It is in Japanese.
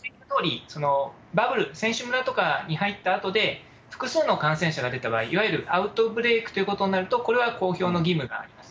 バブル、選手村とかに入ったあとで、複数の感染者が出た場合、いわゆるアウトブレークということになると、これは公表の義務があります。